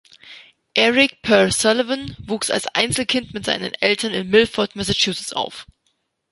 Erik Per Sullivan wuchs als Einzelkind mit seinen Eltern in Milford, Massachusetts auf.